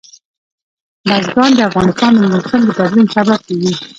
بزګان د افغانستان د موسم د بدلون سبب کېږي.